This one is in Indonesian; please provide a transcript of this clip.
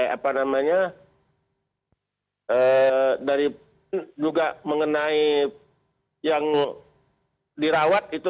apa namanya dari juga mengenai yang dirawat itu